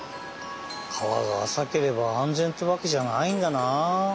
川があさければ安全っていうわけじゃないんだな。